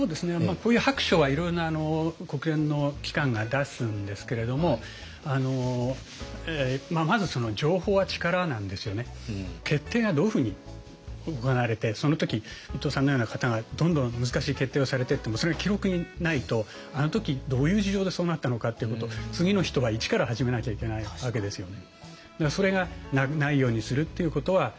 こういう白書はいろいろな国連の機関が出すんですけれどもまず決定がどういうふうに行われてその時伊藤さんのような方がどんどん難しい決定をされていってもそれが記録にないとあの時どういう事情でそうなったのかっていうことを次の人は一から始めなきゃいけないわけですよね。